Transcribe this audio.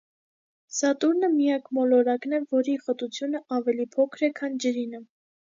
Սատուրնը միակ մոլորակն է, որի խտությունը ավելի փոքր է, քան ջրինը։